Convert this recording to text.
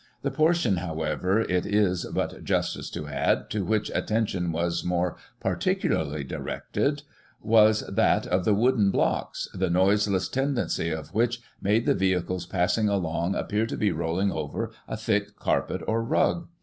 The portion, however, it is but justice to add, to which attention was more particularly directed, was that of the wooden blocks, the noiseless tendency of which, made the vehicles passing along, appear to be rolling over a thick carpet or rug.